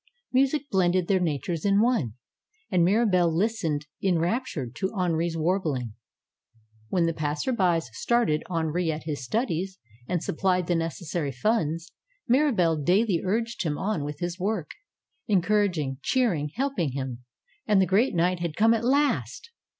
Mu sic blended their natures in one. And Mirabelle lis tened enraptured to Henri's warbling. When the pass erby started Henri at his studies, and supplied the nec essary funds, Mirabelle daily urged him on with his work; encouraging, cheering, helping him. And the great night had come at last